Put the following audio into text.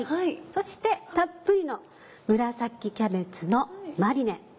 そしてたっぷりの紫キャベツのマリネ。